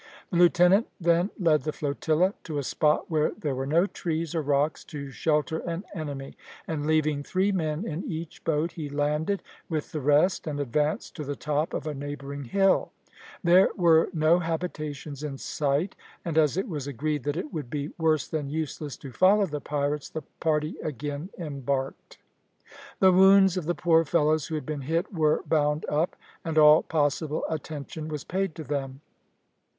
The lieutenant then led the flotilla to a spot where there were no trees or rocks to shelter an enemy, and leaving three men in each boat, he landed with the rest and advanced to the top of a neighbouring hill. There were no habitations in sight, and as it was agreed that it would be worse than useless to follow the pirates, the party again embarked. The wounds of the poor fellows who had been hit were bound up, and all possible attention was paid to them.